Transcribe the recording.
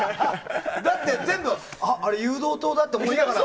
だって、あれ誘導灯だって思いながら。